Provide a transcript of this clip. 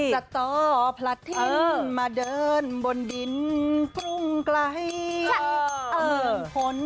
สตอบลถิ้นมาเดินบนดินกรุงไกล